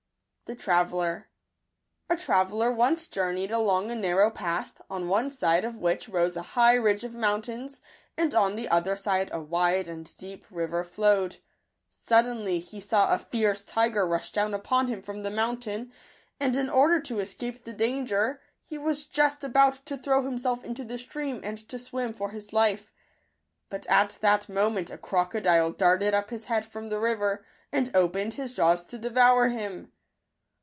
J L„ Digitized by Google I b! If %f)e mtafodler. TRAVELLER once journeyed along a narrow path, on one side of which rose a high ridge of moun J tains, and on the other side a wide and deep river flowed. Suddenly he saw a fierce tiger rush down upon him from the mountain ; and in order to escape the danger, he was just about to throw himself into the stream, and to swim for his life. But at that moment a crocodile darted up his head from the river, and opened his jaws to devour him.